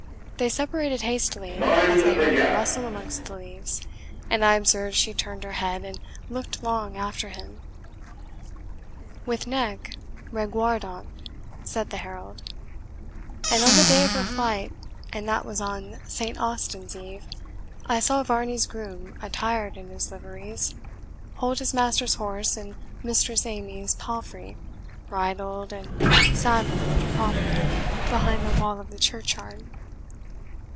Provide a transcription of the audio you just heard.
They separated hastily, as they heard me rustle amongst the leaves; and I observed she turned her head and looked long after him." "With neck REGUARDANT," said the herald. "And on the day of her flight, and that was on Saint Austen's Eve, I saw Varney's groom, attired in his liveries, hold his master's horse and Mistress Amy's palfrey, bridled and saddled PROPER, behind the wall of the churchyard."